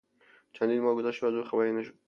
چندین ماه گذشت و از او خبری نشد.